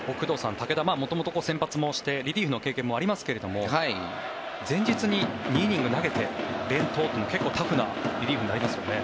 武田、元々先発もしてリリーフの経験もありますけど前日に２イニング投げて連投というのは結構タフなリリーフになりますよね。